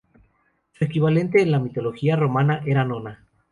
Su equivalente en la mitología romana era Nona.